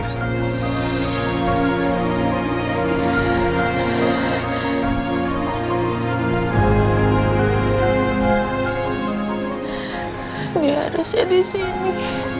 dia harusnya disini